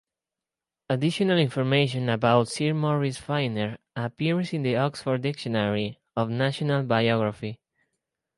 Additional information about Sir Morris Finer appears in the Oxford Dictionary of National Biography.